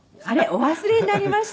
お忘れになりました？